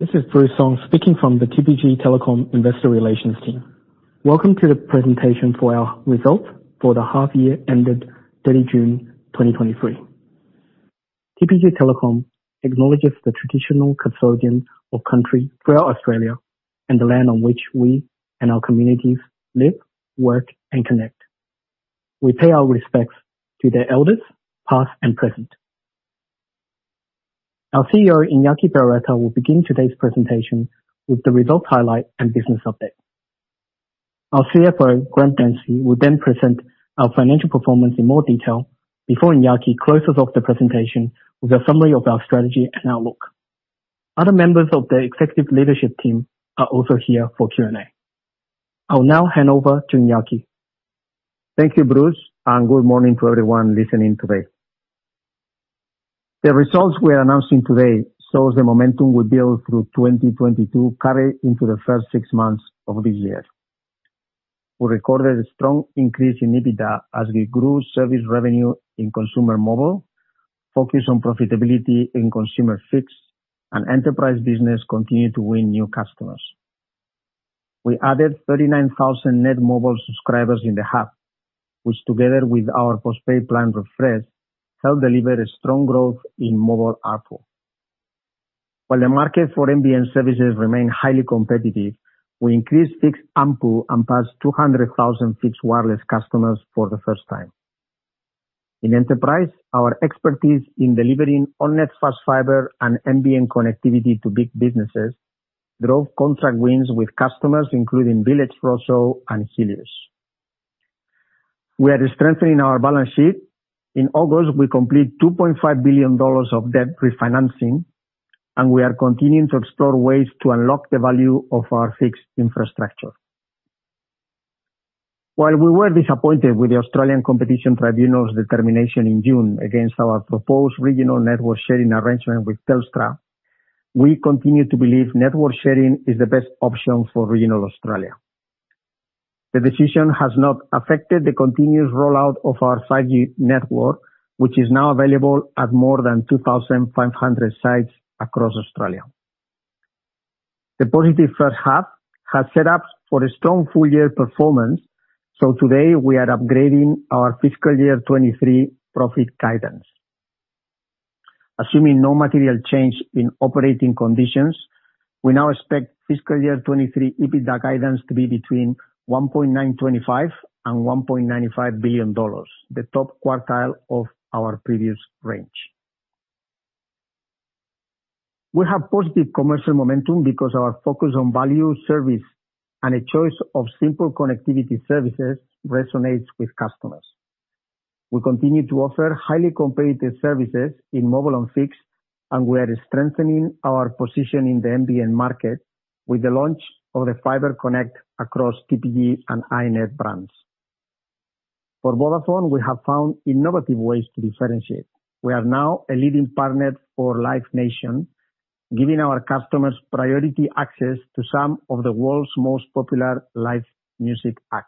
This is Bruce Song, speaking from the TPG Telecom Investor Relations team. Welcome to the presentation for our results for the half year ended 30 June 2023. TPG Telecom acknowledges the traditional custodians of country throughout Australia, and the land on which we and our communities live, work, and connect. We pay our respects to their elders, past and present. Our CEO, Iñaki Berroeta, will begin today's presentation with the results highlight and business update. Our CFO, Grant Dempsey, will then present our financial performance in more detail before Iñaki closes off the presentation with a summary of our strategy and outlook. Other members of the executive leadership team are also here for Q&A. I'll now hand over to Iñaki. Thank you, Bruce, and good morning to everyone listening today. The results we are announcing today shows the momentum we built through 2022 carry into the first six months of this year. We recorded a strong increase in EBITDA as we grew service revenue in consumer mobile, focused on profitability in consumer fixed, and enterprise business continued to win new customers. We added 39,000 net mobile subscribers in the half, which, together with our postpaid plan refresh, helped deliver a strong growth in mobile ARPU. While the market for nbn services remain highly competitive, we increased fixed ARPU and passed 200,000 fixed wireless customers for the first time. In enterprise, our expertise in delivering on-net Fast Fibre and nbn connectivity to big businesses drove contract wins with customers, including Village Roadshow and Helios. We are strengthening our balance sheet. In August, we completed $2.5 billion of debt refinancing, and we are continuing to explore ways to unlock the value of our fixed infrastructure. While we were disappointed with the Australian Competition Tribunal's determination in June against our proposed regional network sharing arrangement with Telstra, we continue to believe network sharing is the best option for regional Australia. The decision has not affected the continuous rollout of our 5G network, which is now available at more than 2,500 sites across Australia. The positive first half has set up for a strong full year performance, so today we are upgrading our fiscal year 2023 profit guidance. Assuming no material change in operating conditions, we now expect fiscal year 2023 EBITDA guidance to be between $1.925 billion and $1.95 billion, the top quartile of our previous range. We have positive commercial momentum because our focus on value, service, and a choice of simple connectivity services resonates with customers. We continue to offer highly competitive services in mobile and fixed, and we are strengthening our position in the nbn market with the launch of the Fibre Connect across TPG and iiNet brands. For Vodafone, we have found innovative ways to differentiate. We are now a leading partner for Live Nation, giving our customers priority access to some of the world's most popular live music acts.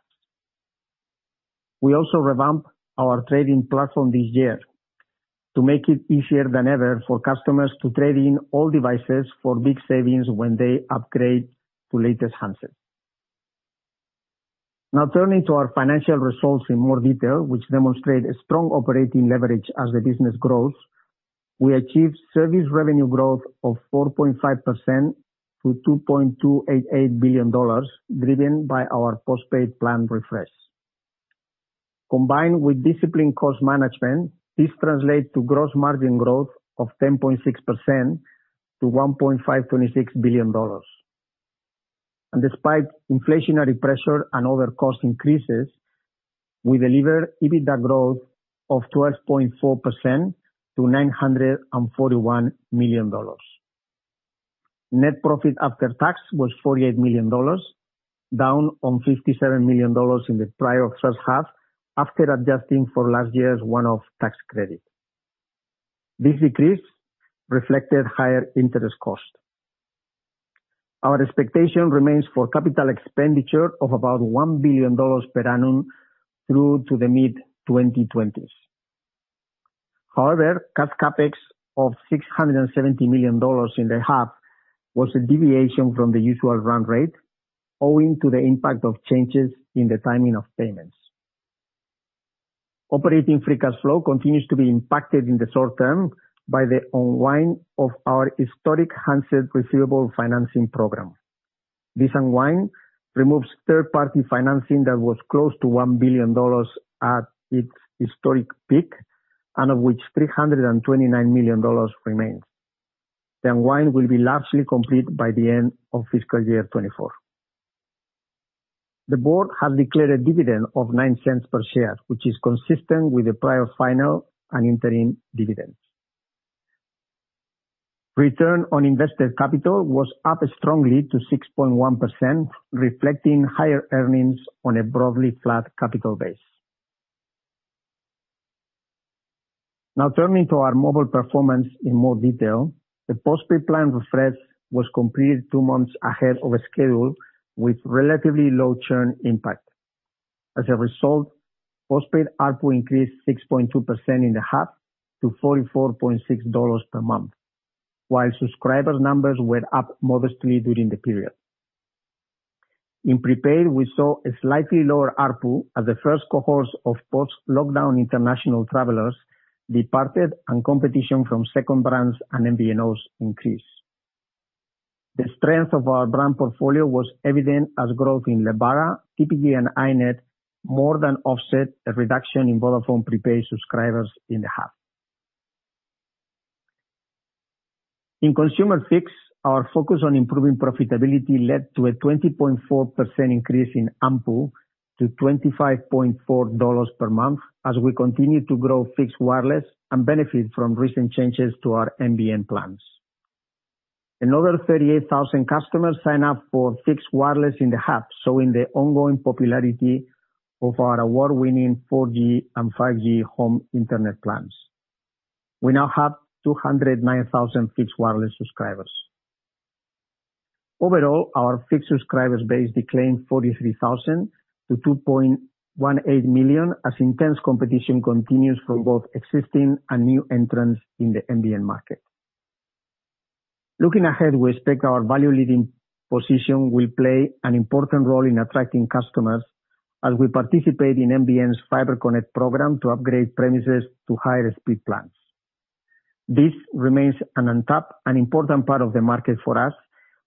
We also revamped our trading platform this year to make it easier than ever for customers to trade in old devices for big savings when they upgrade to latest handsets. Now, turning to our financial results in more detail, which demonstrate a strong operating leverage as the business grows. We achieved service revenue growth of 4.5% to $2.288 billion, driven by our postpaid plan refresh. Combined with disciplined cost management, this translates to gross margin growth of 10.6% to $1.526 billion. Despite inflationary pressure and other cost increases, we delivered EBITDA growth of 12.4% to $941 million. Net profit after tax was $48 million, down on $57 million in the prior first half, after adjusting for last year's one-off tax credit. This decrease reflected higher interest costs. Our expectation remains for capital expenditure of about $1 billion per annum through to the mid-2020s. However, CapEx of $670 million in the half was a deviation from the usual run rate, owing to the impact of changes in the timing of payments. Operating free cash flow continues to be impacted in the short term by the unwind of our historic handset receivable financing program. This unwind removes third-party financing that was close to $1 billion at its historic peak, and of which $329 million remains. The unwind will be largely complete by the end of fiscal year 2024. The board has declared a dividend of $0.09 per share, which is consistent with the prior, final, and interim dividends. Return on invested capital was up strongly to 6.1%, reflecting higher earnings on a broadly flat capital base. Now, turning to our mobile performance in more detail. The postpaid plan refresh was completed two months ahead of schedule with relatively low churn impact. As a result, postpaid ARPU increased 6.2% in the half to $44.6 per month, while subscriber numbers were up modestly during the period. In prepaid, we saw a slightly lower ARPU as the first cohorts of post-lockdown international travelers departed and competition from second brands and MVNOs increased. The strength of our brand portfolio was evident as growth in Lebara, TPG, and iiNet more than offset the reduction in Vodafone prepaid subscribers in the half. In consumer fixed, our focus on improving profitability led to a 20.4% increase in AMPU to $25.4 per month as we continue to grow fixed wireless and benefit from recent changes to our nbn plans. Another 38,000 customers signed up for fixed wireless in the half, showing the ongoing popularity of our award-winning 4G and 5G home internet plans. We now have 209,000 fixed wireless subscribers. Overall, our fixed subscribers base declined 43,000 to 2.18 million, as intense competition continues from both existing and new entrants in the nbn market. Looking ahead, we expect our value leading position will play an important role in attracting customers as we participate in nbn's Fibre Connect program to upgrade premises to higher speed plans. This remains an untapped and important part of the market for us,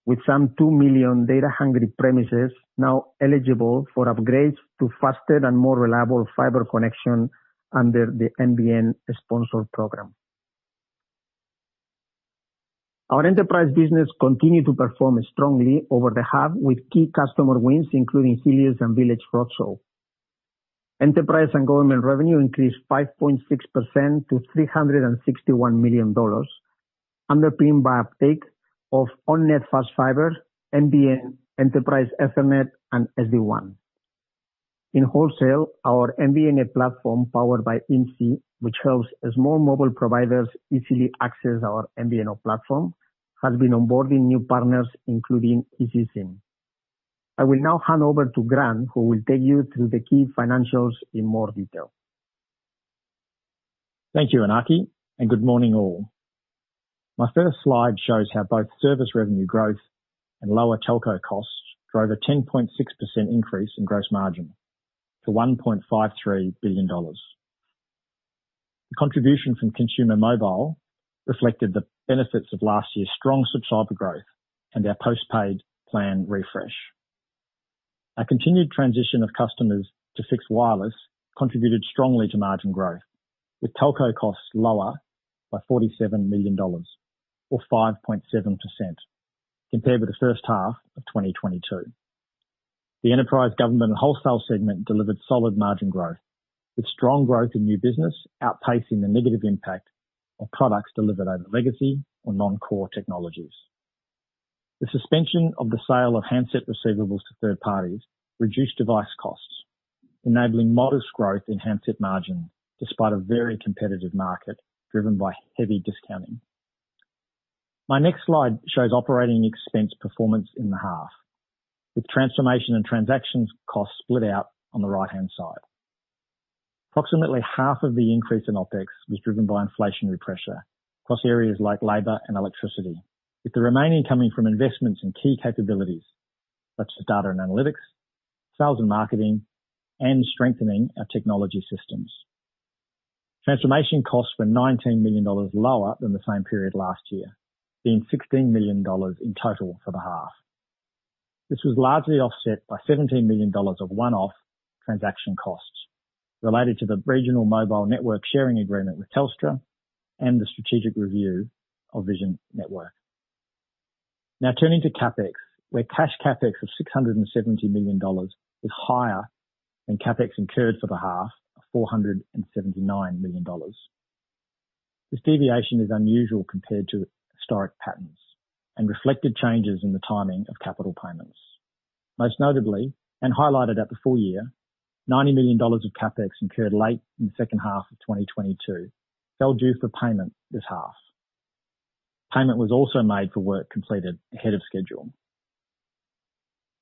with some 2 million data-hungry premises now eligible for upgrades to faster and more reliable fibre connection under the nbn sponsored program. Our enterprise business continued to perform strongly over the half, with key customer wins including Helios and Village Roadshow. Enterprise and government revenue increased 5.6% to $361 million, underpinned by uptake of onNet Fast Fibre, nbn, Enterprise Ethernet, and SD-WAN. In wholesale, our MVN platform, powered by IMZI, which helps small mobile providers easily access our MVNO platform, has been onboarding new partners, including EzySim. I will now hand over to Grant, who will take you through the key financials in more detail. Thank you, Iñaki, and good morning, all. My first slide shows how both service revenue growth and lower telco costs drove a 10.6% increase in gross margin to $1.53 billion. The contribution from consumer mobile reflected the benefits of last year's strong subscriber growth and our post-paid plan refresh. Our continued transition of customers to fixed wireless contributed strongly to margin growth, with telco costs lower by $47 million or 5.7% compared with the first half of 2022. The enterprise, government, and wholesale segment delivered solid margin growth, with strong growth in new business outpacing the negative impact of products delivered over legacy or non-core technologies. The suspension of the sale of handset receivables to third parties reduced device costs, enabling modest growth in handset margin, despite a very competitive market driven by heavy discounting. My next slide shows operating expense performance in the half, with transformation and transactions costs split out on the right-hand side. Approximately half of the increase in OpEx was driven by inflationary pressure across areas like labor and electricity, with the remaining coming from investments in key capabilities such as data and analytics, sales and marketing, and strengthening our technology systems. Transformation costs were $19 million lower than the same period last year, being $16 million in total for the half. This was largely offset by $17 million of one-off transaction costs related to the regional mobile network sharing agreement with Telstra and the strategic review of Vision Network. Now turning to CapEx, where cash CapEx of $670 million is higher than CapEx incurred for the half of $479 million. This deviation is unusual compared to historic patterns and reflected changes in the timing of capital payments. Most notably, and highlighted at the full year, $90 million of CapEx incurred late in the second half of 2022, fell due for payment this half. Payment was also made for work completed ahead of schedule.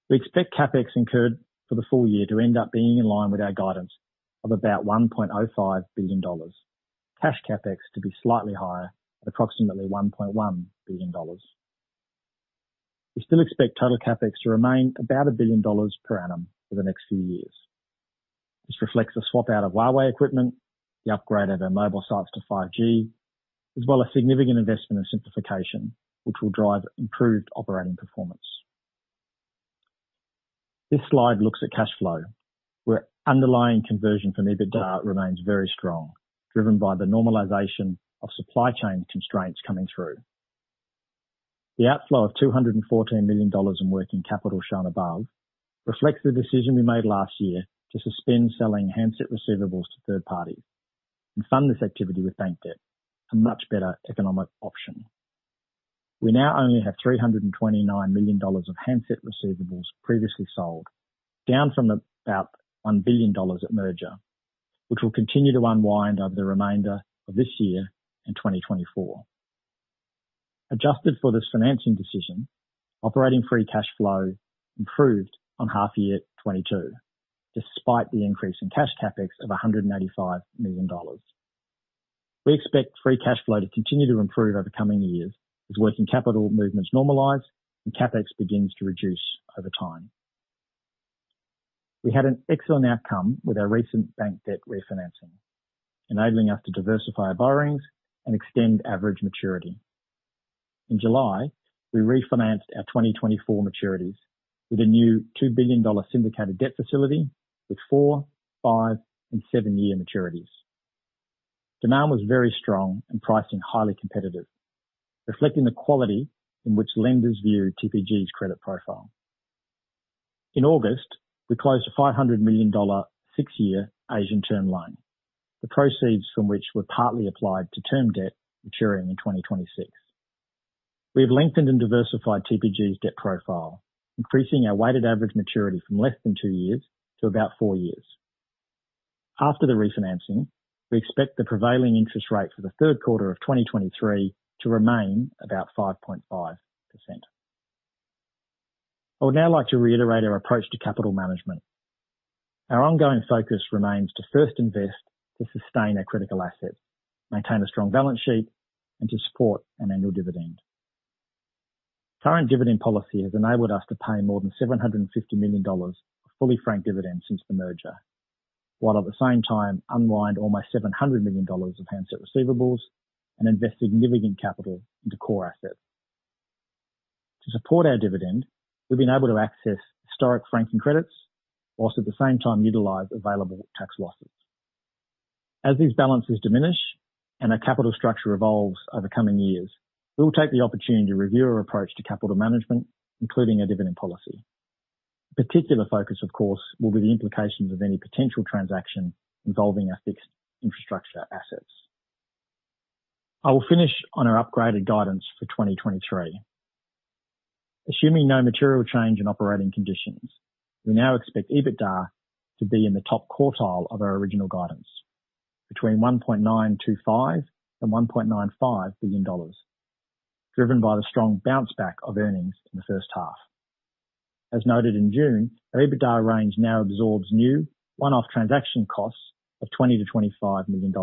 We expect CapEx incurred for the full year to end up being in line with our guidance of about $1.05 billion. Cash CapEx to be slightly higher at approximately $1.1 billion. We still expect total CapEx to remain about $1 billion per annum for the next few years. This reflects the swap out of Huawei equipment, the upgrade of our mobile sites to 5G, as well as significant investment and simplification, which will drive improved operating performance. This slide looks at cash flow, where underlying conversion from EBITDA remains very strong, driven by the normalization of supply chain constraints coming through. The outflow of $214 million in working capital shown above reflects the decision we made last year to suspend selling handset receivables to third parties and fund this activity with bank debt, a much better economic option. We now only have $329 million of handset receivables previously sold, down from about $1 billion at merger, which will continue to unwind over the remainder of this year and 2024, adjusted for this financing decision, operating free cash flow improved on half year 2022, despite the increase in cash CapEx of $185 million. We expect free cash flow to continue to improve over the coming years, as working capital movements normalize and CapEx begins to reduce over time. We had an excellent outcome with our recent bank debt refinancing, enabling us to diversify our borrowings and extend average maturity. In July, we refinanced our 2024 maturities with a new $2 billion syndicated debt facility with four-, five-, and seven-year maturities. Demand was very strong and pricing highly competitive, reflecting the quality in which lenders view TPG's credit profile. In August, we closed a $500 million six-year Asian term loan, the proceeds from which were partly applied to term debt maturing in 2026. We have lengthened and diversified TPG's debt profile, increasing our weighted average maturity from less than two years to about four years. After the refinancing, we expect the prevailing interest rate for the third quarter of 2023 to remain about 5.5%. I would now like to reiterate our approach to capital management. Our ongoing focus remains to first invest to sustain our critical assets, maintain a strong balance sheet, and to support an annual dividend. Current dividend policy has enabled us to pay more than $750 million of fully franked dividends since the merger, while at the same time unwind almost $700 million of handset receivables and invest significant capital into core assets. To support our dividend, we've been able to access historic franking credits, while at the same time utilize available tax losses. As these balances diminish and our capital structure evolves over coming years, we'll take the opportunity to review our approach to capital management, including our dividend policy. Particular focus, of course, will be the implications of any potential transaction involving our fixed infrastructure assets. I will finish on our upgraded guidance for 2023. Assuming no material change in operating conditions, we now expect EBITDA to be in the top quartile of our original guidance, between $1.925 billion and $1.95 billion, driven by the strong bounce back of earnings in the first half. As noted in June, our EBITDA range now absorbs new one-off transaction costs of $20 million-$25 million,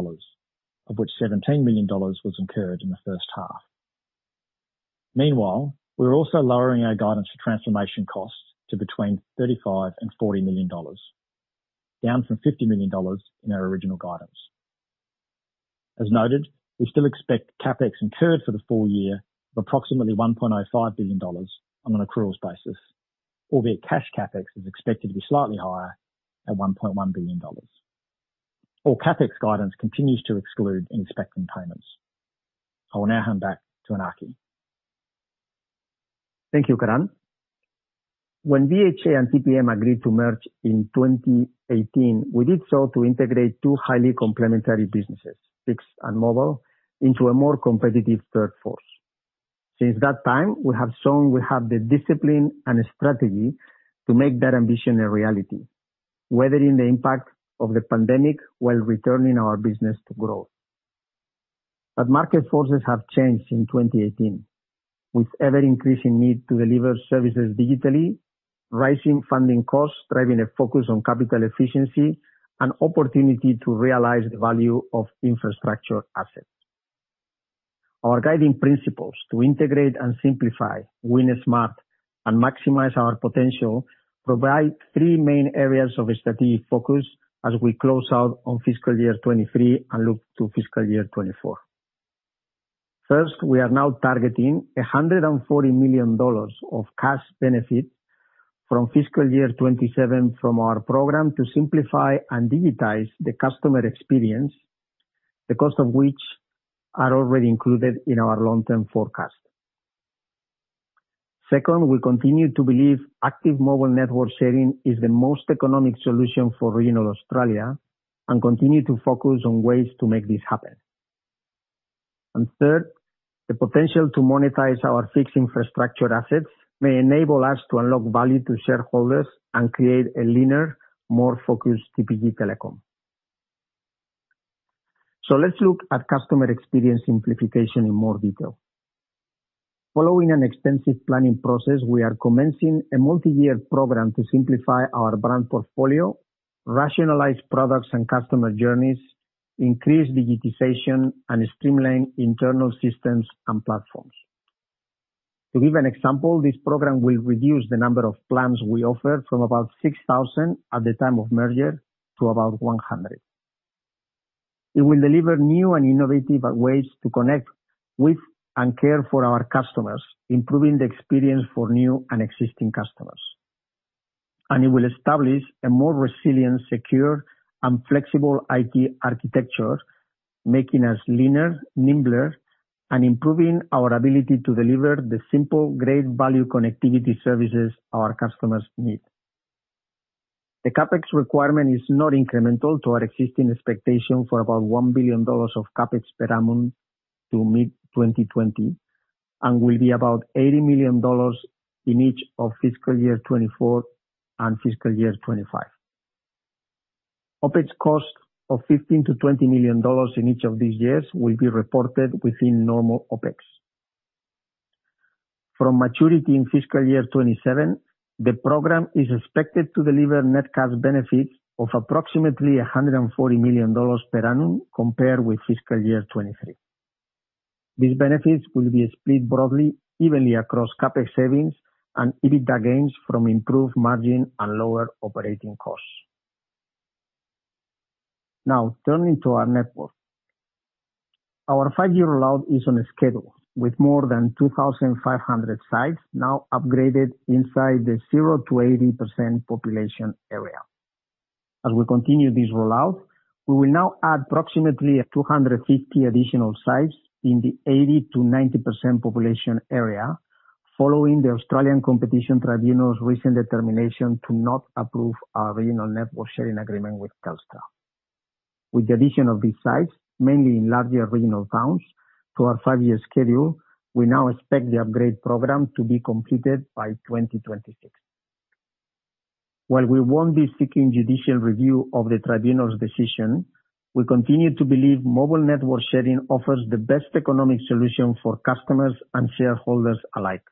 of which $17 million was incurred in the first half. Meanwhile, we're also lowering our guidance for transformation costs to between $35 million and $40 million, down from $50 million in our original guidance. As noted, we still expect CapEx incurred for the full year of approximately $1.05 billion on an accruals basis, albeit cash CapEx is expected to be slightly higher at $1.1 billion. All CapEx guidance continues to exclude inspecting payments. I will now hand back to Iñaki. Thank you, Grant. When VHA and TPG agreed to merge in 2018, we did so to integrate two highly complementary businesses, fixed and mobile, into a more competitive third force. Since that time, we have shown we have the discipline and strategy to make that ambition a reality, weathering the impact of the pandemic while returning our business to growth. But market forces have changed in 2018, with ever-increasing need to deliver services digitally, rising funding costs, driving a focus on capital efficiency, and opportunity to realize the value of infrastructure assets. Our guiding principles to integrate and simplify, win smart, and maximize our potential provide three main areas of strategic focus as we close out on fiscal year 2023 and look to fiscal year 2024. First, we are now targeting $140 million of cash benefits from fiscal year 2027 from our program to simplify and digitize the customer experience, the cost of which are already included in our long-term forecast. Second, we continue to believe active mobile network sharing is the most economic solution for regional Australia and continue to focus on ways to make this happen. Third, the potential to monetize our fixed infrastructure assets may enable us to unlock value to shareholders and create a leaner, more focused TPG Telecom. Let's look at customer experience simplification in more detail. Following an extensive planning process, we are commencing a multi-year program to simplify our brand portfolio, rationalize products and customer journeys, increase digitization, and streamline internal systems and platforms. To give an example, this program will reduce the number of plans we offer from about 6,000 at the time of merger to about 100. It will deliver new and innovative ways to connect with and care for our customers, improving the experience for new and existing customers. It will establish a more resilient, secure, and flexible IT architecture, making us leaner, nimbler, and improving our ability to deliver the simple, great value connectivity services our customers need. The CapEx requirement is not incremental to our existing expectation for about $1 billion of CapEx per annum to mid-2020, and will be about $80 million in each of fiscal year 2024 and fiscal year 2025. OpEx cost of $15 million-$20 million in each of these years will be reported within normal OpEx. From maturity in fiscal year 2027, the program is expected to deliver net cash benefits of approximately $140 million per annum compared with fiscal year 2023. These benefits will be split broadly, evenly across CapEx savings and EBITDA gains from improved margin and lower operating costs. Now, turning to our network. Our five-year rollout is on schedule with more than 2,500 sites now upgraded inside the 0%-80% population area. As we continue this rollout, we will now add approximately 250 additional sites in the 80%-90% population area, following the Australian Competition Tribunal's recent determination to not approve our regional network sharing agreement with Telstra. With the addition of these sites, mainly in larger regional towns, to our five-year schedule, we now expect the upgrade program to be completed by 2026. While we won't be seeking judicial review of the tribunal's decision, we continue to believe mobile network sharing offers the best economic solution for customers and shareholders alike.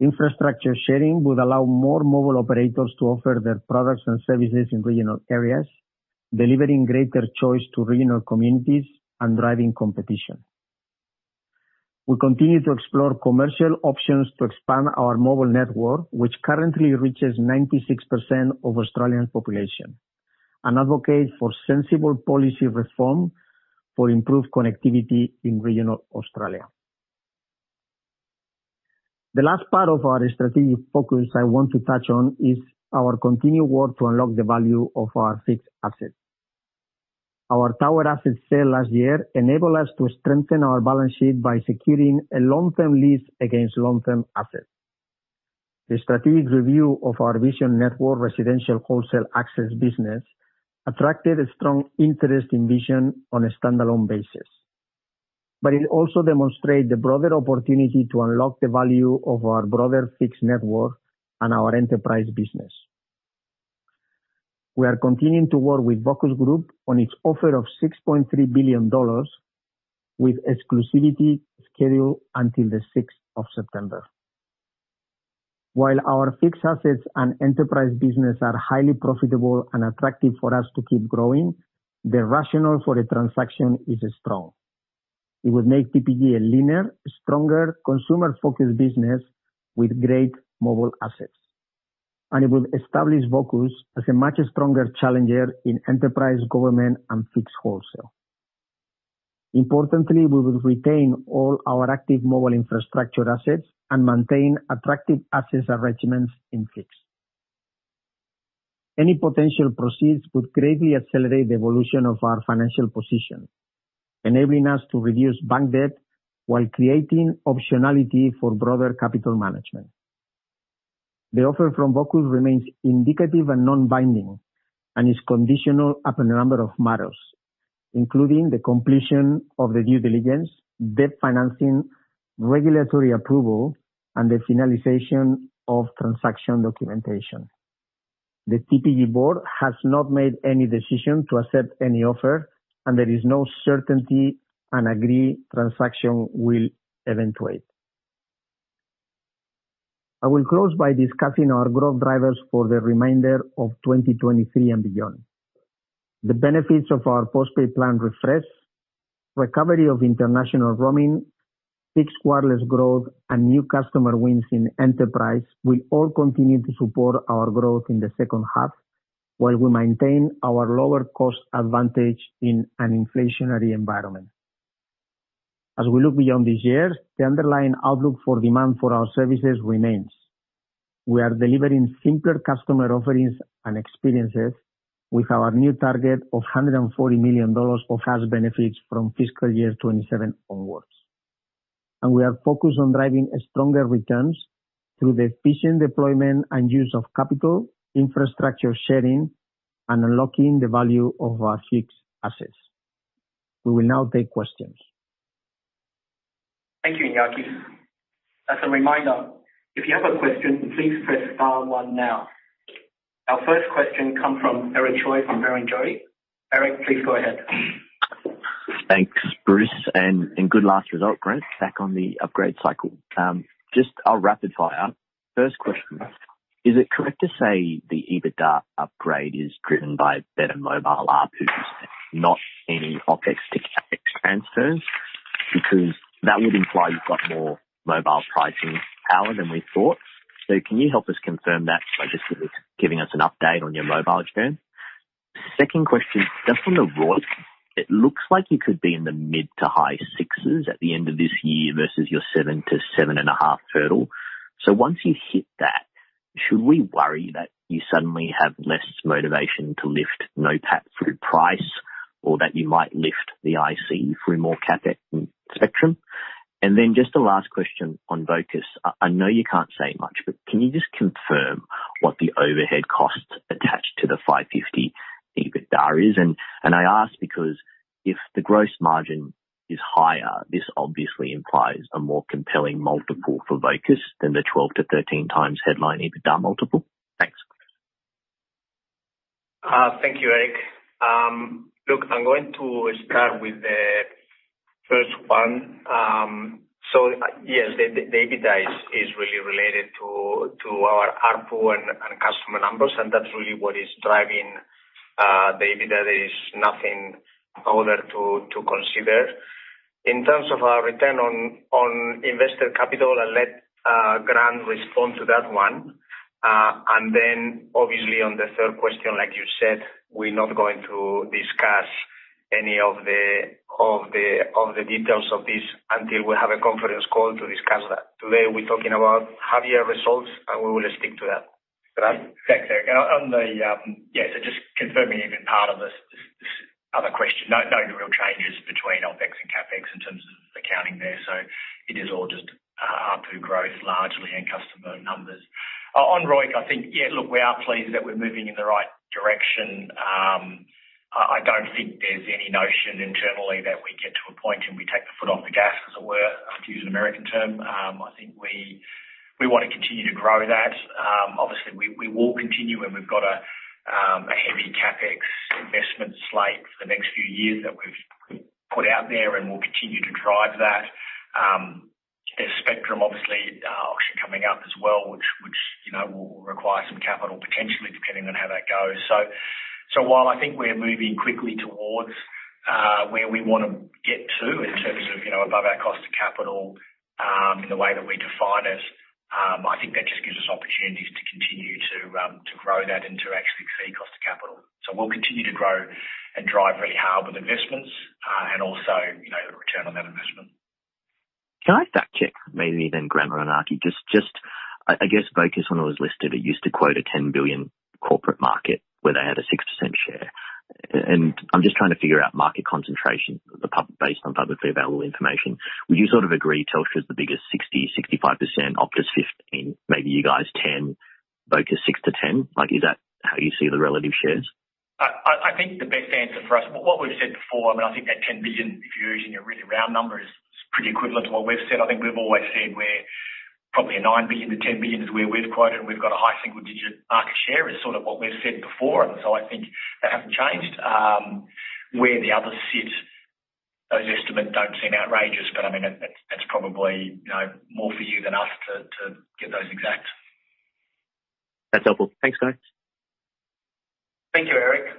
Infrastructure sharing would allow more mobile operators to offer their products and services in regional areas, delivering greater choice to regional communities and driving competition. We continue to explore commercial options to expand our mobile network, which currently reaches 96% of Australian population, and advocate for sensible policy reform for improved connectivity in regional Australia. The last part of our strategic focus I want to touch on is our continued work to unlock the value of our fixed assets. Our tower asset sale last year enabled us to strengthen our balance sheet by securing a long-term lease against long-term assets. The strategic review of our Vision Network residential wholesale access business attracted a strong interest in Vision on a standalone basis, but it also demonstrate the broader opportunity to unlock the value of our broader fixed network and our enterprise business. We are continuing to work with Vocus Group on its offer of $6.3 billion, with exclusivity scheduled until the sixth of September. While our fixed assets and enterprise business are highly profitable and attractive for us to keep growing, the rationale for the transaction is strong. It would make TPG a leaner, stronger, consumer-focused business with great mobile assets, and it would establish Vocus as a much stronger challenger in enterprise, government, and fixed wholesale. Importantly, we will retain all our active mobile infrastructure assets and maintain attractive assets arrangements in fixed. Any potential proceeds would greatly accelerate the evolution of our financial position, enabling us to reduce bank debt while creating optionality for broader capital management. The offer from Vocus remains indicative and non-binding, and is conditional upon a number of matters, including the completion of the due diligence, debt financing, regulatory approval, and the finalization of transaction documentation. The TPG board has not made any decision to accept any offer, and there is no certainty an agreed transaction will eventuate. I will close by discussing our growth drivers for the remainder of 2023 and beyond. The benefits of our postpaid plan refresh, recovery of international roaming, fixed wireless growth, and new customer wins in enterprise will all continue to support our growth in the second half, while we maintain our lower cost advantage in an inflationary environment. As we look beyond this year, the underlying outlook for demand for our services remains. We are delivering simpler customer offerings and experiences with our new target of $140 million of cash benefits from fiscal year 2027 onwards. We are focused on driving stronger returns through the efficient deployment and use of capital, infrastructure sharing, and unlocking the value of our fixed assets. We will now take questions. Thank you, Iñaki. As a reminder, if you have a question, please press star one now. Our first question come from Eric Choi from Barrenjoey. Eric, please go ahead. Thanks, Bruce, and good last result, Grant, back on the upgrade cycle. Just I'll rapid fire. First question: Is it correct to say the EBITDA upgrade is driven by better mobile ARPUs, not any OpEx to CapEx transfers? Because that would imply you've got more mobile pricing power than we thought. So can you help us confirm that by just giving us an update on your mobile spend? Second question: Just on the ROIC, it looks like you could be in the mid- to high-6s at the end of this year versus your 7-7.5 hurdle. So once you hit that, should we worry that you suddenly have less motivation to lift NPAT through price, or that you might lift the IC through more CapEx and spectrum? And then just a last question on Vocus. I know you can't say much, but can you just confirm what the overhead costs attached to the 550 EBITDA is? I ask because if the gross margin is higher, this obviously implies a more compelling multiple for Vocus than the 12x-13x headline EBITDA multiple. Thank you, Eric. Look, I'm going to start with the first one. So, yes, the EBITDA is really related to our ARPU and customer numbers, and that's really what is driving the EBITDA. There is nothing other to consider. In terms of our return on invested capital, I'll let Grant respond to that one. And then obviously on the third question, like you said, we're not going to discuss any of the details of this until we have a conference call to discuss that. Today, we're talking about half-year results, and we will stick to that. Grant? Thanks, Eric. Yeah, so just confirming even part of this other question. No real changes between OpEx and CapEx in terms of accounting there, so it is all just ARPU growth largely, and customer numbers. On ROIC, I think, yeah, look, we are pleased that we're moving in the right direction. I don't think there's any notion internally that we get to a point, and we take the foot off the gas, as it were, to use an American term. I think we want to continue to grow that. Obviously, we will continue, and we've got a heavy CapEx investment slate for the next few years that we've put out there, and we'll continue to drive that. There's spectrum obviously auction coming up as well, which you know will require some capital potentially, depending on how that goes. So while I think we're moving quickly towards where we want to get to in terms of you know above our cost of capital in the way that we define it, I think that just gives us opportunities to continue to grow that and to actually exceed cost of capital. So we'll continue to grow and drive really hard with investments and also you know the return on that investment. Can I fact-check maybe then, Grant or Iñaki? Just, I guess Vocus, when it was listed, it used to quote an $10 billion corporate market where they had a 6% share. And I'm just trying to figure out market concentration, publicly based on publicly available information. Would you sort of agree Telstra is the biggest, 60%-65%, Optus 15%, maybe you guys 10%, Vocus 6%-10%? Like, is that how you see the relative shares? I think the best answer for us, what we've said before, I mean, I think that $10 billion, if you're using a really round number, is pretty equivalent to what we've said. I think we've always said we're probably $9 billion-$10 billion is where we've quoted. We've got a high single-digit market share, is sort of what we've said before, and so I think that hasn't changed. Where the others sit, those estimates don't seem outrageous, but, I mean, that, that's probably, you know, more for you than us to get those exact. That's helpful. Thanks, guys. Thank you, Eric.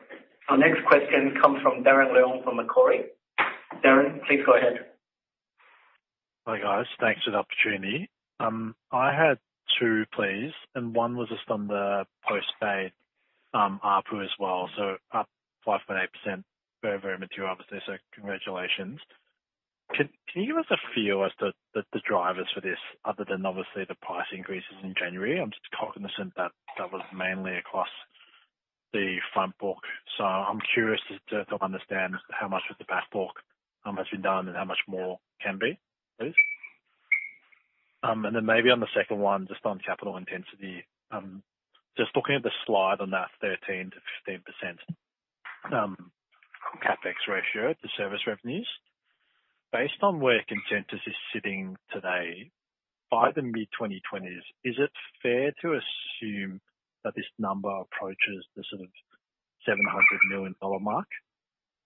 Our next question comes from Darren Leung from Macquarie. Darren, please go ahead. Hi, guys. Thanks for the opportunity. I had two, please, and one was just on the postpaid ARPU as well, so up 5.8%, very, very mature obviously, so congratulations. Can you give us a feel as to the drivers for this, other than obviously the price increases in January? I'm just cognizant that that was mainly across the front book, so I'm curious to understand how much with the back book has been done and how much more can be, please. And then maybe on the second one, just on capital intensity. Just looking at the slide on that 13%-15% CapEx ratio to service revenues. Based on where consensus is sitting today, by the mid-2020s, is it fair to assume that this number approaches the sort of $700 million mark,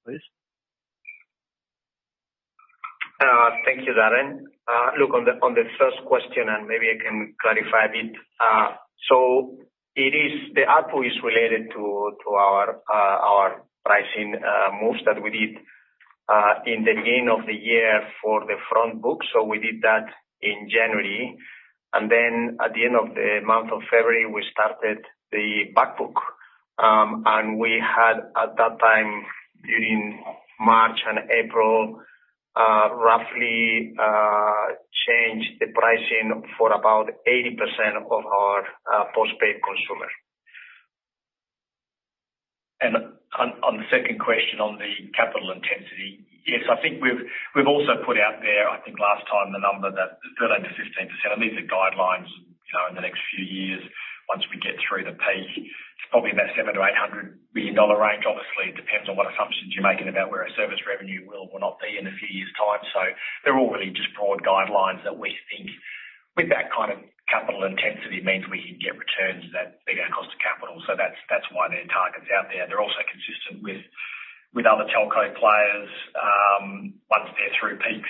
please? Thank you, Darren. Look, on the first question, and maybe I can clarify a bit. So it is, the ARPU is related to our pricing moves that we did in the beginning of the year for the front book, so we did that in January. And then at the end of the month of February, we started the back book. And we had, at that time, during March and April, roughly change the pricing for about 80% of our postpaid consumer. On the second question, on the capital intensity, yes, I think we've also put out there, I think, last time, the number that 13%-15%, and these are guidelines, you know, in the next few years, once we get through the peak. It's probably in that $700 billion-$800 billion range. Obviously, it depends on what assumptions you're making about where our service revenue will or not be in a few years' time. So they're all really just broad guidelines that we think with that kind of capital intensity means we can get returns that beat our cost of capital. So that's why their target's out there. They're also consistent with other telco players. Once they're through peaks,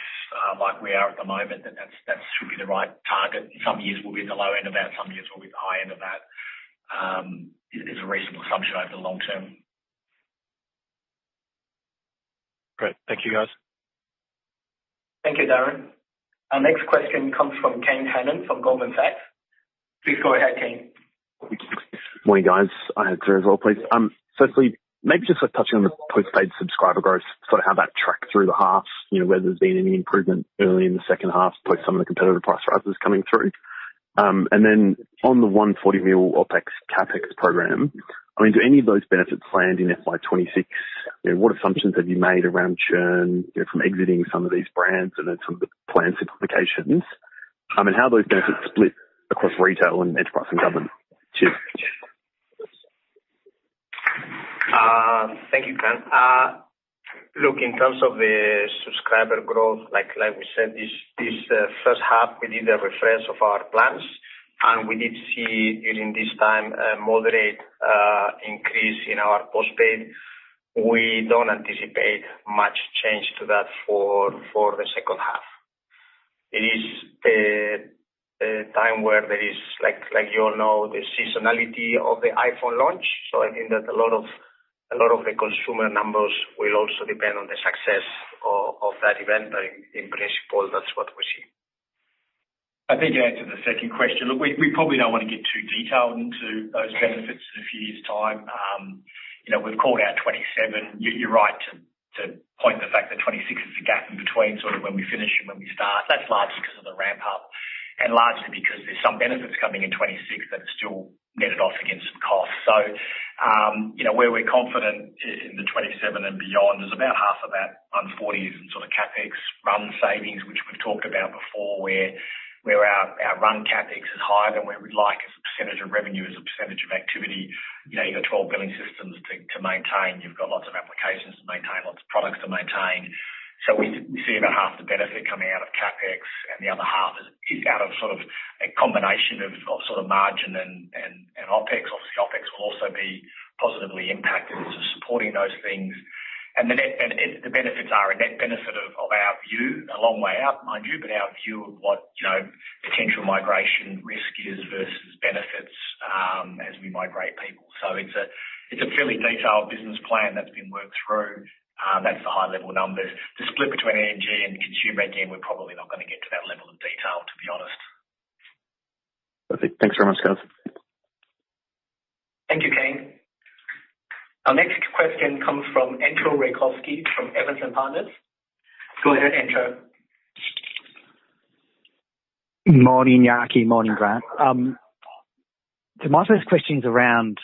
like we are at the moment, then that's, that should be the right target. Some years we'll be in the low end of that, some years we'll be in the high end of that. It is a reasonable assumption over the long term. Great. Thank you, guys. Thank you, Darren. Our next question comes from Kane Hannan from Goldman Sachs. Please go ahead, Kane. Morning, guys. I had two as well, please. Firstly, maybe just like touching on the postpaid subscriber growth, sort of how that tracked through the half, you know, whether there's been any improvement early in the second half, post some of the competitive price rises coming through. And then on the $140 million OpEx, CapEx program, I mean, do any of those benefits land in FY 2026? You know, what assumptions have you made around churn, you know, from exiting some of these brands and then some of the plan simplifications? I mean, how are those benefits split across retail and enterprise and government too? Thank you, Kane. Look, in terms of the subscriber growth, like we said, this first half, we did a refresh of our plans, and we did see during this time a moderate increase in our postpaid. We don't anticipate much change to that for the second half. It is a time where there is like you all know, the seasonality of the iPhone launch. So I think that a lot of the consumer numbers will also depend on the success of that event. But in principle, that's what we see. I think to answer the second question, look, we, we probably don't want to get too detailed into those benefits in a few years' time. You know, we've called out 2027. You're, you're right to, to point the fact that 2026 is the gap in between sort of when we finish and when we start. That's largely because of the ramp up and largely because there's some benefits coming in 2026 that are still netted off against some costs. So, you know, where we're confident in, in the 2027 and beyond, there's about half of that on 40s and sort of CapEx run savings, which we've talked about before, where, where our, our run CapEx is higher than where we'd like, as a percentage of revenue, as a percentage of activity. You know, you've got 12 billing systems to, to maintain. You've got lots of applications to maintain, lots of products to maintain. So we see about half the benefit coming out of CapEx, and the other half is out of sort of a combination of sort of margin and OpEx. Obviously, OpEx will also be positively impacted in terms of supporting those things. And the net benefits are a net benefit of our view, a long way out, mind you, but our view of what, you know, potential migration risk is versus benefits as we migrate people. So it's a fairly detailed business plan that's been worked through. That's the high level numbers. The split between EG and consumer, again, we're probably not gonna get to that level of detail, to be honest. Perfect. Thanks very much, guys. Thank you, Kane. Our next question comes from Entcho Raykovski from Evans and Partners. Go ahead, Entcho. Morning, Iñaki. Morning, Grant. My first question is around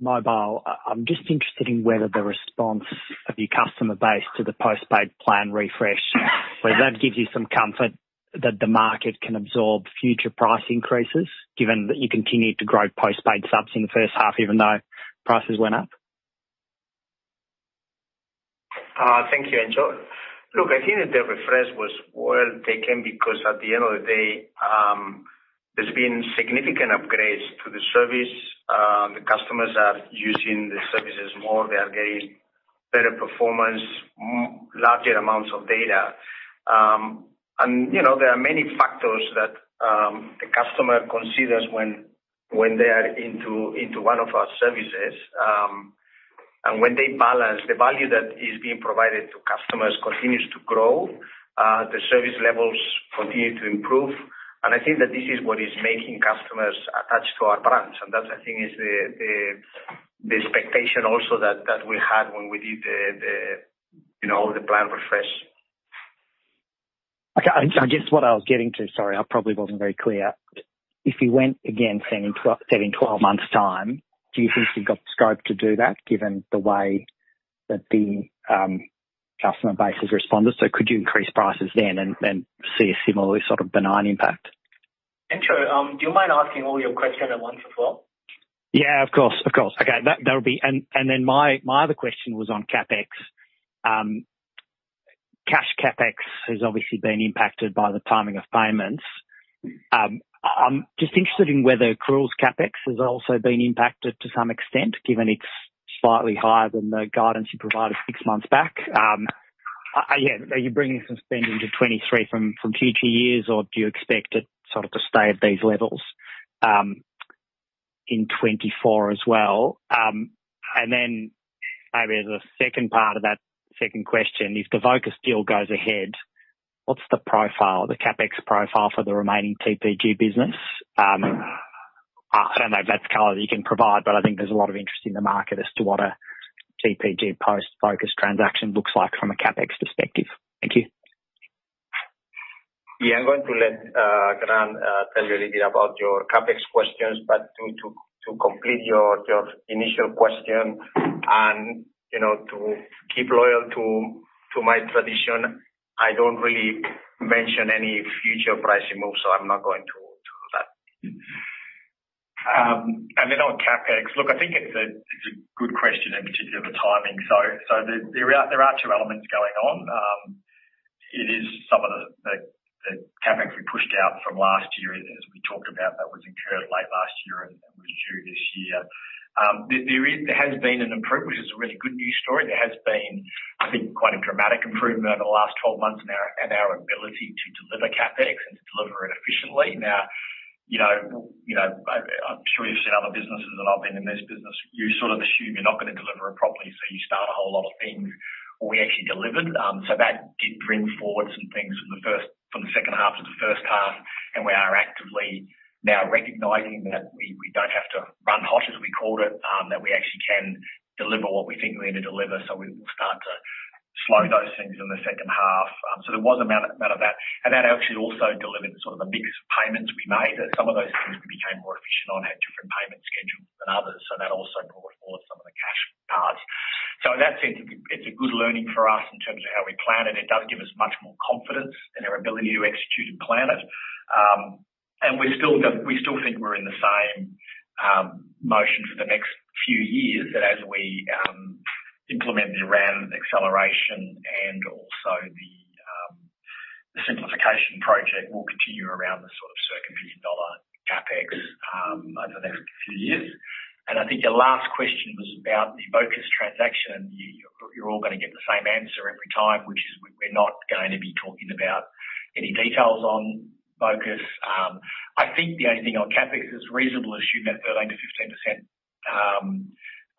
mobile. I'm just interested in whether the response of your customer base to the postpaid plan refresh, whether that gives you some comfort that the market can absorb future price increases, given that you continued to grow postpaid subs in the first half, even though prices went up? Thank you, Entcho. Look, I think that the refresh was well taken because at the end of the day, there's been significant upgrades to the service. The customers are using the services more. They are getting better performance, larger amounts of data. And, you know, there are many factors that the customer considers when they are into one of our services. And when they balance the value that is being provided to customers continues to grow, the service levels continue to improve. And I think that this is what is making customers attached to our brands. And that, I think, is the expectation also that we had when we did the, you know, the plan refresh. Okay. I, I guess what I was getting to, sorry, I probably wasn't very clear. If you went again, say, in 12, say, in 12 months time, do you think you've got the scope to do that, given the way that the customer base has responded? So could you increase prices then and, and see a similarly sort of benign impact? Entcho, do you mind asking all your questions at once as well? Yeah, of course, of course. Okay, that would be. And then my other question was on CapEx. Cash CapEx has obviously been impacted by the timing of payments. I'm just interested in whether accruals CapEx has also been impacted to some extent, given it's slightly higher than the guidance you provided six months back. Yeah, are you bringing some spending to 2023 from future years, or do you expect it sort of to stay at these levels in 2024 as well? And then maybe as a second part of that second question, if the Vocus deal goes ahead, what's the profile, the CapEx profile for the remaining TPG business? I don't know if that's color that you can provide, but I think there's a lot of interest in the market as to what a TPG post-Vocus transaction looks like from a CapEx perspective. Thank you. Yeah, I'm going to let Grant tell you a little bit about your CapEx questions. But to complete your initial question and, you know, to keep loyal to my tradition, I don't really mention any future pricing moves, so I'm not going to do that. And then on CapEx, look, I think it's a good question, in particular, the timing. So, there are two elements going on. It is some of the CapEx we pushed out from last year, as we talked about, that was incurred late last year and was due this year. There has been an improvement, which is a really good news story. There has been, I think, quite a dramatic improvement over the last 12 months in our ability to deliver CapEx and to deliver it efficiently. Now, you know, I'm sure you've seen other businesses that have been in this business. You sort of assume you're not gonna deliver it properly, so you start a whole lot of things. We actually delivered, so that did bring forward some things from the second half to the first half, and we are actively now recognizing that we don't have to run hot, as we called it, that we actually can deliver what we think we need to deliver. So we will start to slow those things in the second half. So there was amount of that, and that actually also delivered the sort of a mix of payments we made. Some of those things we became more efficient on had different payment schedules than others, so that also brought forward some of the cash parts. So in that sense, it's a good learning for us in terms of how we plan it. It does give us much more confidence in our ability to execute and plan it. We still think we're in the same motion for the next few years, that as we implement the RAN acceleration and also the simplification project, we'll continue around the sort of $1 billion CapEx over the next few years. And I think your last question was about the Vocus transaction. You're all gonna get the same answer every time, which is we're not going to be talking about any details on Vocus. I think the only thing on CapEx, it's reasonable to assume that 13%-15%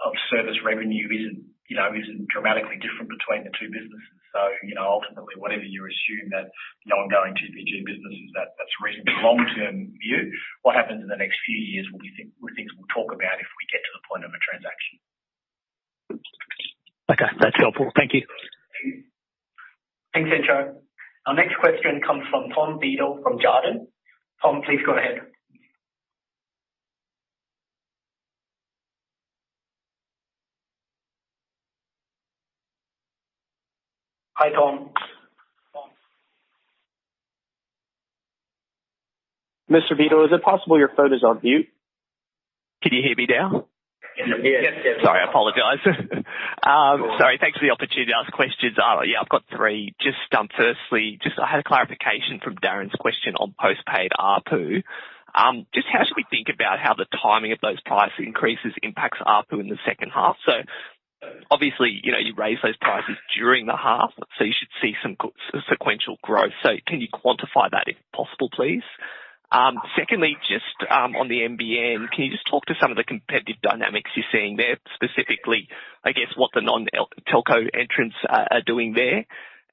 of service revenue isn't, you know, isn't dramatically different between the two businesses. So, you know, ultimately, whatever you assume that the ongoing TPG business is that, that's reasonable long-term view. What happens in the next few years will be things, things we'll talk about if we get to the point of a transaction. Okay, that's helpful. Thank you. Thank you. Thanks, Entcho. Our next question comes from Tom Beadle from Jarden. Tom, please go ahead. Hi, Tom. Mr. Beadle, is it possible your phone is on mute? Can you hear me now? Yes. Sorry, I apologize. Sorry. Thanks for the opportunity to ask questions. Yeah, I've got three. Just, firstly, just I had a clarification from Darren's question on postpaid ARPU. Just how should we think about how the timing of those price increases impacts ARPU in the second half? So obviously, you know, you raise those prices during the half, so you should see some good sequential growth. So can you quantify that, if possible, please? Secondly, just, on the nbn, can you just talk to some of the competitive dynamics you're seeing there, specifically, I guess, what the non-telco entrants are doing there?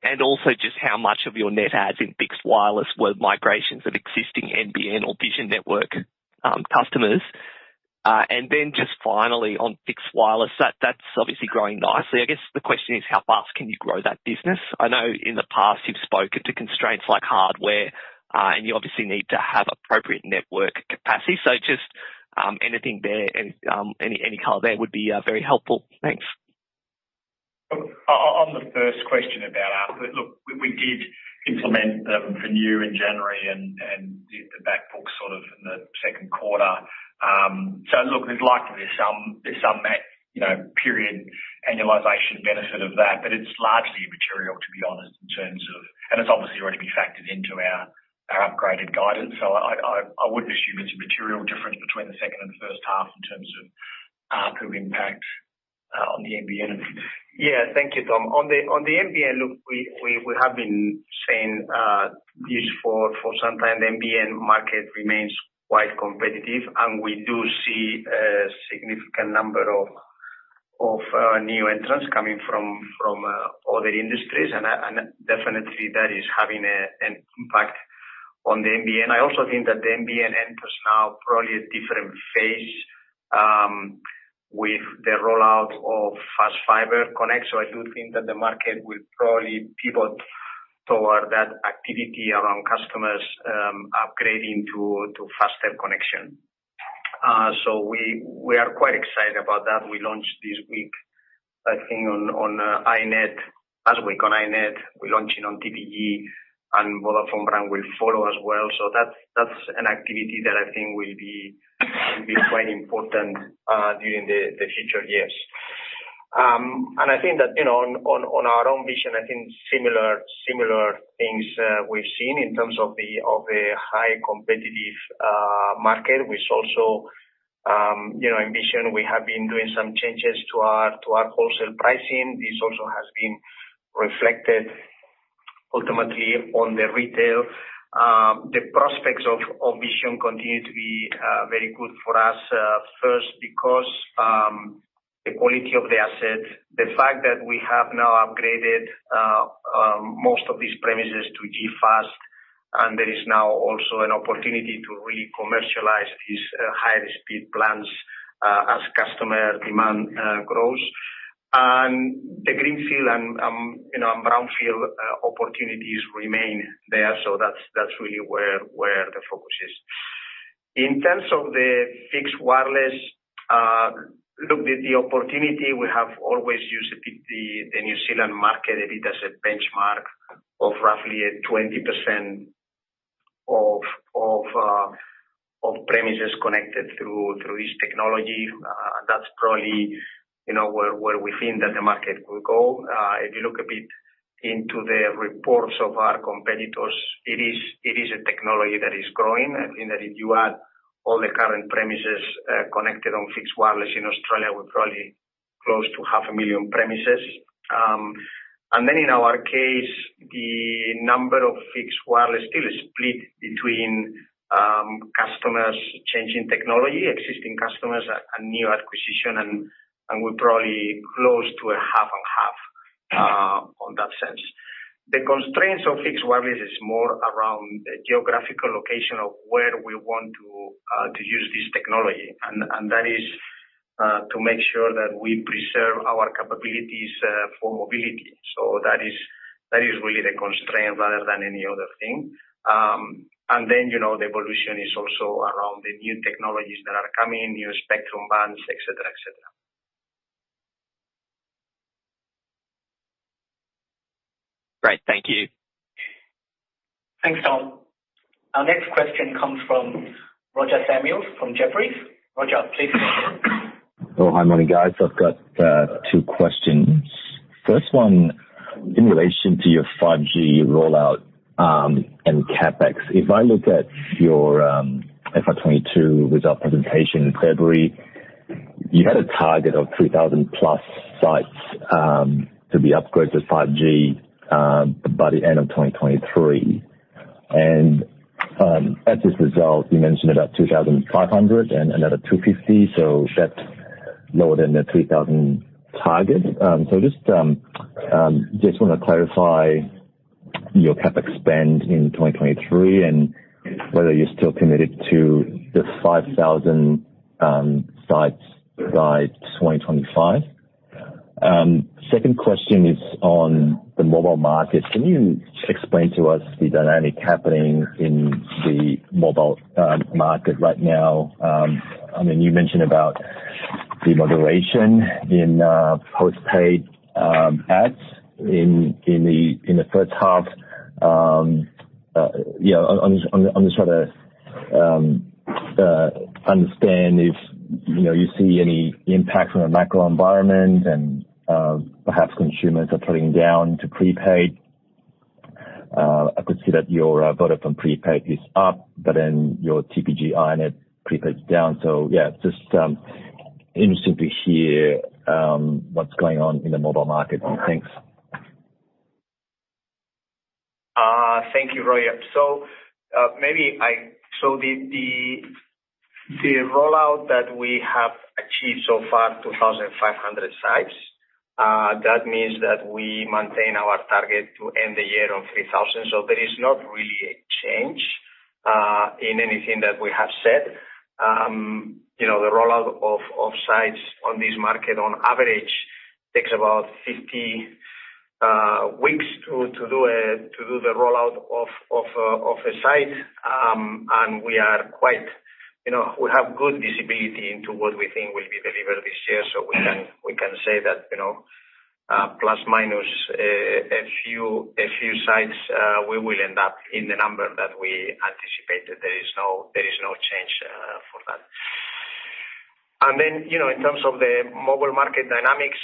And also just how much of your net adds in fixed wireless were migrations of existing nbn or Vision Network, customers. And then just finally on fixed wireless, that's obviously growing nicely. I guess the question is, how fast can you grow that business? I know in the past you've spoken to constraints like hardware, and you obviously need to have appropriate network capacity. So just, anything there, and, any color there would be, very helpful. Thanks. On the first question about ARPU, look, we did implement the venue in January and did the back book sort of in the second quarter. So look, there's likely some... There's some that, you know, period annualization benefit of that, but it's largely immaterial, to be honest, in terms of, and it's obviously already been factored into our upgraded guidance. So I wouldn't assume it's a material difference between the second and first half in terms of ARPU impact on the nbn. Yeah. Thank you, Tom. On the nbn, look, we have been saying this for some time. The nbn market remains quite competitive, and we do see a significant number of new entrants coming from other industries. And definitely that is having an impact on the nbn. I also think that the nbn enters now probably a different phase with the rollout of Fibre Connect. So I do think that the market will probably pivot toward that activity around customers upgrading to faster connection. So we are quite excited about that. We launched this week, I think, on iiNet. Last week on iiNet, we're launching on TPG, and Vodafone brand will follow as well. So that's an activity that I think will be quite important during the future years. And I think that, you know, on our own Vision, I think similar things we've seen in terms of the high competitive market, which also, you know, in Vision, we have been doing some changes to our wholesale pricing. This also has been reflected ultimately on the retail. The prospects of Vision continue to be very good for us, first, because the quality of the assets, the fact that we have now upgraded most of these premises to G.Fast, and there is now also an opportunity to re-commercialize these higher speed plans as customer demand grows. And the greenfield and brownfield opportunities remain there. So that's really where the focus is. In terms of the fixed wireless, look, the opportunity we have always used the New Zealand market a bit as a benchmark of roughly 20% of premises connected through this technology. That's probably, you know, where we think that the market will go. If you look a bit into the reports of our competitors, it is a technology that is growing, and that if you add all the current premises connected on fixed wireless in Australia, we're probably close to 500,000 premises. And then in our case, the number of fixed wireless still is split between customers changing technology, existing customers, and new acquisition, and we're probably close to 50/50 on that sense. The constraints of fixed wireless is more around the geographical location of where we want to use this technology, and that is to make sure that we preserve our capabilities for mobility. So that is really the constraint rather than any other thing. And then, you know, the evolution is also around the new technologies that are coming, new spectrum bands, et cetera, et cetera. Great. Thank you. Thanks, Tom. Our next question comes from Roger Samuel from Jefferies. Roger, please. Oh, hi, morning, guys. I've got two questions. First one, in relation to your 5G rollout and CapEx. If I look at your FY 2022 result presentation in February, you had a target of 3,000+ sites to be upgraded to 5G by the end of 2023. And at this result, you mentioned about 2,500 and another 250, so that's lower than the 3,000 target. So just wanna clarify your CapEx spend in 2023, and whether you're still committed to the 5,000 sites by 2025. Second question is on the mobile market. Can you explain to us the dynamic happening in the mobile market right now? I mean, you mentioned about the moderation in postpaid adds in the first half. You know, on the sort of understand if, you know, you see any impact from the macro environment and, perhaps consumers are putting down to prepaid. I could see that your Vodafone prepaid is up, but then your TPG iiNet prepaid is down. So yeah, just interesting to hear, what's going on in the mobile market. Thanks. Thank you, Roger. So, maybe so the rollout that we have achieved so far, 2,500 sites, that means that we maintain our target to end the year on 3,000. So there is not really a change in anything that we have said. You know, the rollout of sites on this market on average takes about 50 weeks to do the rollout of a site. And we are quite, you know, we have good visibility into what we think will be delivered this year, so we can say that, you know, plus minus a few sites, we will end up in the number that we anticipated. There is no change for that. And then, you know, in terms of the mobile market dynamics,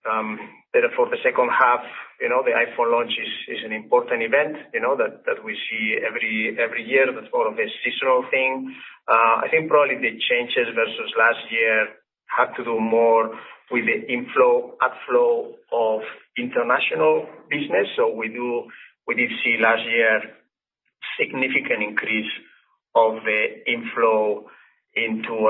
look, I think that for the second half, you know, the iPhone launch is an important event, you know, that we see every year. That's more of a seasonal thing. I think probably the changes versus last year have to do more with the inflow, outflow of international business. So we did see last year significant increase of the inflow into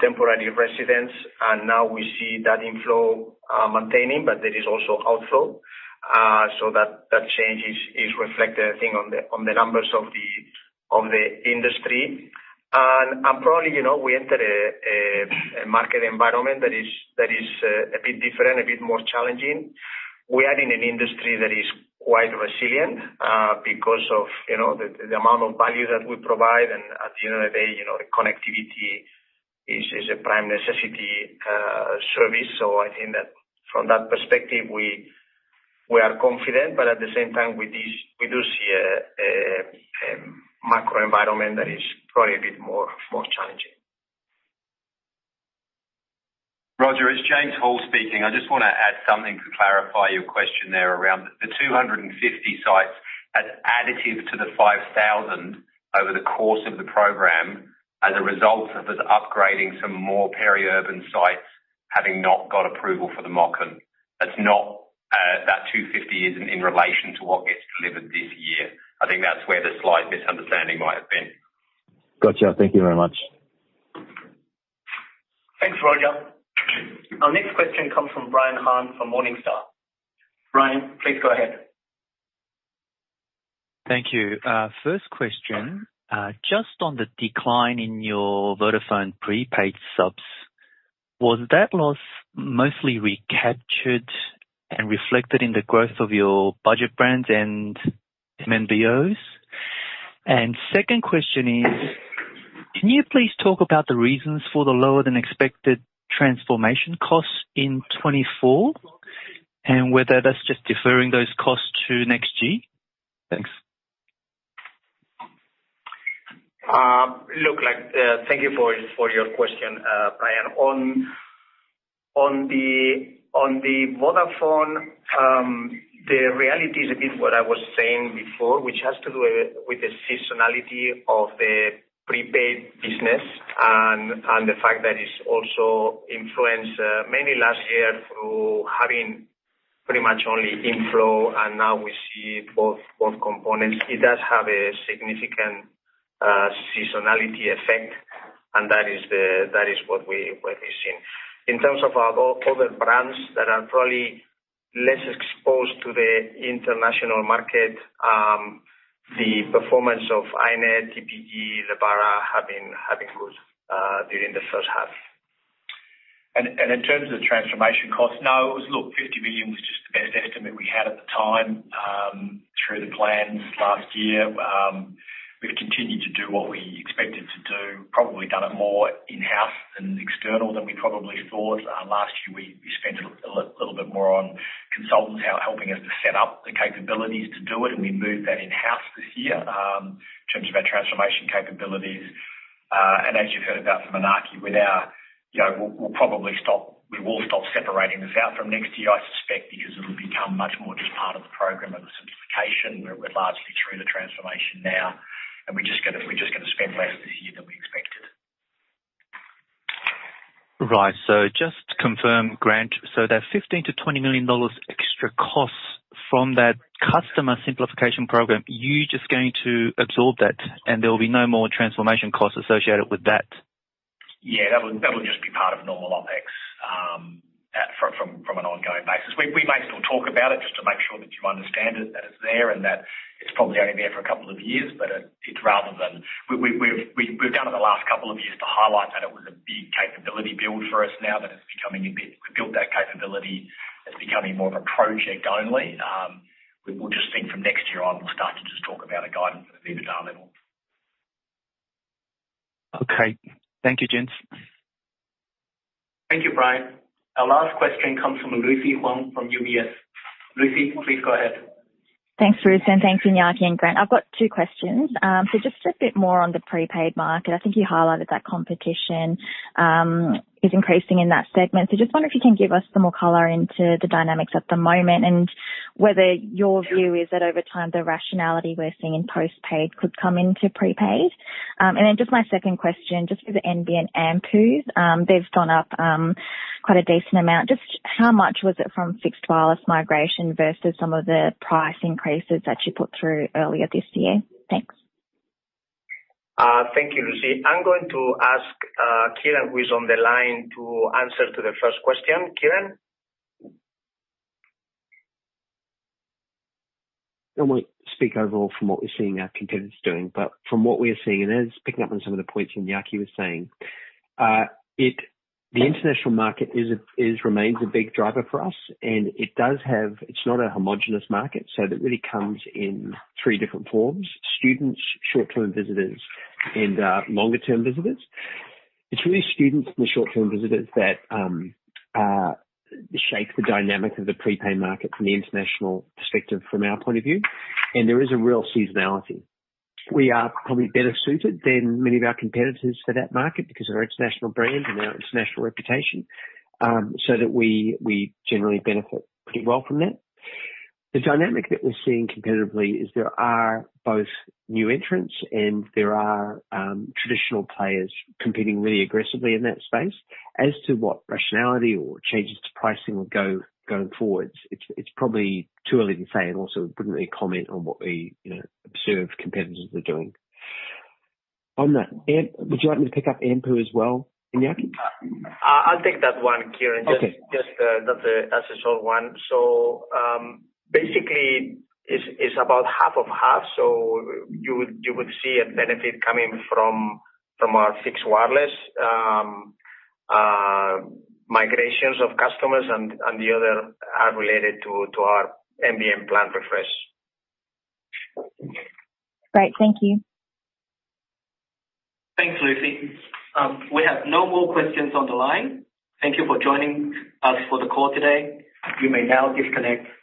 temporary residents, and now we see that inflow maintaining, but there is also outflow. So that change is reflected, I think, on the numbers of the industry. And probably, you know, we entered a market environment that is a bit different, a bit more challenging. We are in an industry that is quite resilient, because of, you know, the amount of value that we provide. And at the end of the day, you know, the connectivity is a prime necessity service. So I think that from that perspective, we are confident, but at the same time, we do see a macro environment that is probably a bit more challenging. Roger, it's James Hall speaking. I just wanna add something to clarify your question there around the 250 sites as additive to the 5,000 over the course of the program as a result of us upgrading some more peri-urban sites, having not got approval for the MOCN. That's not, that 250 is in relation to what gets delivered this year. I think that's where the slight misunderstanding might have been. Gotcha. Thank you very much. Thanks, Roger. Our next question comes from Brian Han, from Morningstar. Brian, please go ahead. Thank you. First question, just on the decline in your Vodafone prepaid subs, was that loss mostly recaptured and reflected in the growth of your budget brands and MVNOs? And second question is, can you please talk about the reasons for the lower than expected transformation costs in 2024, and whether that's just deferring those costs to next year? Thanks. Looks like, thank you for your question, Brian. On the Vodafone, the reality is a bit what I was saying before, which has to do with the seasonality of the prepaid business, and the fact that it's also influenced, mainly last year through having pretty much only inflow, and now we see both components. It does have a significant seasonality effect, and that is what we've seen. In terms of our other brands that are probably less exposed to the international market, the performance of iiNet, TPG, Lebara have been good during the first half. And in terms of the transformation cost, now, look, $50 million was just the best estimate we had at the time, through the plans last year. We've continued to do what we expected to do, probably done it more in-house and external than we probably thought. Last year we spent a little bit more on consultants helping us to set up the capabilities to do it, and we moved that in-house this year, in terms of our transformation capabilities. And as you've heard about from Iñaki, with our, you know, we will stop separating this out from next year, I suspect, because it'll become much more just part of the program of the simplification. We're largely through the transformation now, and we're just gonna spend less this year than we expected. Right. So just to confirm, Grant, so that $15 million-$20 million extra costs from that customer simplification program, you're just going to absorb that and there will be no more transformation costs associated with that? Yeah, that will just be part of normal OpEx from an ongoing basis. We may still talk about it just to make sure that you understand it, that it's there, and that it's probably only there for a couple of years. But it's rather than... We've done it the last couple of years to highlight that it was a big capability build for us. Now that it's becoming a bit, we've built that capability, it's becoming more of a project only. We will just think from next year on, we'll start to just talk about a guidance at EBITDA level. Okay. Thank you, gents. Thank you, Brian. Our last question comes from Lucy Huang from UBS. Lucy, please go ahead. Thanks, Bruce, and thanks, Iñaki and Grant. I've got two questions. So just a bit more on the prepaid market. I think you highlighted that competition is increasing in that segment. So just wonder if you can give us some more color into the dynamics at the moment, and whether your view is that over time, the rationality we're seeing in postpaid could come into prepaid? And then just my second question, just for the nbn AMPUs, they've gone up quite a decent amount. Just how much was it from fixed wireless migration versus some of the price increases that you put through earlier this year? Thanks. Thank you, Lucy. I'm going to ask, Kieren, who is on the line, to answer to the first question. Kieren? I want to speak overall from what we're seeing our competitors doing. But from what we are seeing, and as picking up on some of the points Iñaki was saying, The international market remains a big driver for us, and it does have, it's not a homogeneous market, so that really comes in three different forms: students, short-term visitors, and longer-term visitors. It's really students and the short-term visitors that shape the dynamic of the prepaid market from the international perspective from our point of view, and there is a real seasonality. We are probably better suited than many of our competitors for that market because of our international brand and our international reputation, so that we, we generally benefit pretty well from that. The dynamic that we're seeing competitively is there are both new entrants and there are traditional players competing really aggressively in that space. As to what rationality or changes to pricing will going forward, it's probably too early to say and also we wouldn't really comment on what we, you know, observe competitors are doing. On that, AMPU, would you like me to pick up AMPU as well, Iñaki? I'll take that one, Kieren. Okay. That's a short one. So, basically is about half of half. So you would see a benefit coming from our fixed wireless migrations of customers and the other are related to our nbn plan refresh. Great. Thank you. Thanks, Lucy. We have no more questions on the line. Thank you for joining us for the call today. You may now disconnect.